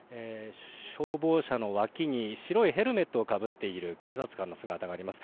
消防車の脇に白いヘルメットをかぶっている警察官の姿があります。